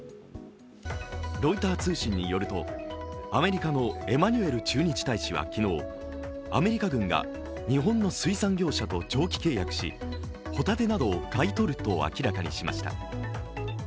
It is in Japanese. ロイター通信によるとアメリカのエマニュエル駐日大使は昨日、アメリカ軍が日本の水産業者と長期契約しほたてなどを買い取ると明らかにしました。